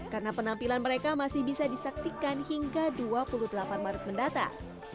karena penampilan mereka masih bisa disaksikan hingga dua puluh delapan maret mendatang